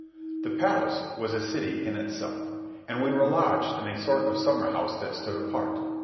The palace was a city in itself, and we were lodged in a sort of summer house that stood apart.